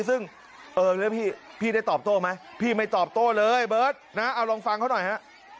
ซึ่งเออแล้วพี่ได้ตอบโต้ไหมพี่ไม่ตอบโต้เลยเบิร์ตนะเอาลองฟังเขาหน่อยฮะ